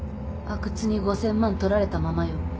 阿久津に５，０００万取られたままよ。